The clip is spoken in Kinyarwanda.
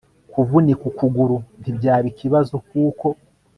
kuvunika ukuguru ntibyaba ikibazo kuko